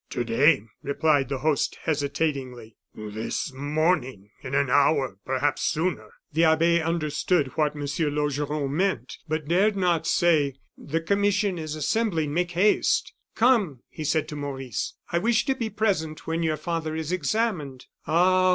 "To day," replied the host, hesitatingly; "this morning in an hour perhaps sooner!" The abbe understood what M. Laugeron meant, but dared not say: "The commission is assembling, make haste." "Come!" he said to Maurice, "I wish to be present when your father is examined." Ah!